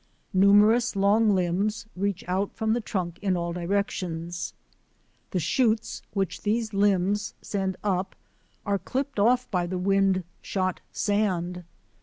Numerous long limbs reach out from the trunk in all directions. The shoots which these limbs send up are clipped off by the wind shot sand.